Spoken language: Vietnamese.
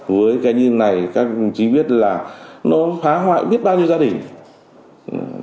với cái như này các chí biết là nó phá hoại biết bao nhiêu gia đình